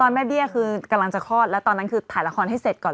แม่เบี้ยคือกำลังจะคลอดแล้วตอนนั้นคือถ่ายละครให้เสร็จก่อน